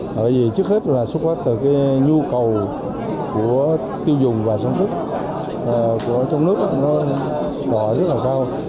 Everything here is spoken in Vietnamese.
bởi vì trước hết là nhu cầu của tiêu dùng và sản xuất trong nước rất cao